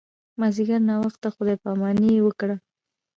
مازیګر ناوخته خدای پاماني وکړه.